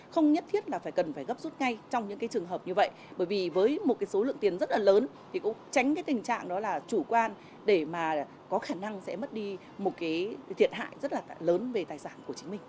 không nhất thiết là phải cần phải gấp rút ngay trong những cái trường hợp như vậy bởi vì với một cái số lượng tiền rất là lớn thì cũng tránh cái tình trạng đó là chủ quan để mà có khả năng sẽ mất đi một cái thiệt hại rất là lớn về tài sản của chính mình